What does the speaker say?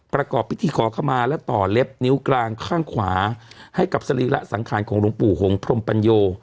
ประกอบพิธีขอขมาและต่อเล็บนิ้วกลางข้างขวาให้กับสรีระสังขารของหลวงปู่หงพรมปัญโย